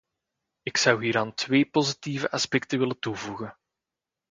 Ik zou hieraan twee positieve aspecten willen toevoegen.